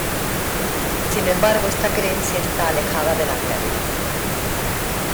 Sin embargo esta creencia esta alejada de la realidad.